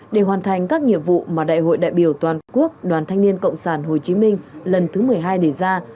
để hoàn thành các nhiệm vụ mà đại hội đại biểu toàn quốc đoàn thanh niên cộng sản hồ chí minh lần thứ một mươi hai đề ra